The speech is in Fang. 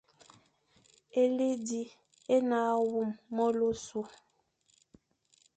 Éli zi é ne hagha wum melu ôsu,